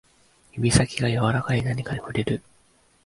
指先が柔らかい何かに触れる